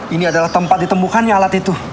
ini adalah tempat ditemukan yang alat itu